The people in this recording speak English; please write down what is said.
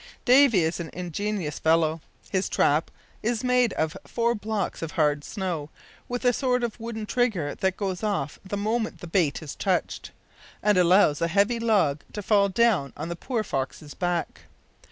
"Davy is an ingenious fellow. His trap is made of four blocks of hard snow, with a sort of wooden trigger that goes off the moment the bait is touched, and allows a heavy log to fall down on the poor fox's back.